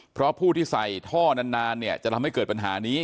เพราะผู้ที่ใส่ท่อนานเนี่ยจะทำให้เกิดปัญหานี้